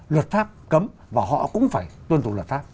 luật pháp cấm và họ cũng phải tuân thủ luật pháp